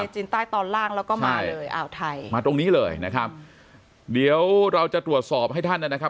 จีนใต้ตอนล่างแล้วก็มาเลยอ่าวไทยมาตรงนี้เลยนะครับเดี๋ยวเราจะตรวจสอบให้ท่านนะครับ